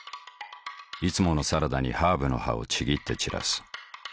いつものサラダにハーブの葉をちぎって散らす。